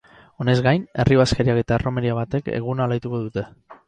Honez gain, herri bazkariak eta erromeria batek eguna alaituko dute.